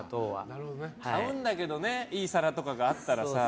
買うんだけどねいい皿とかがあったらさ。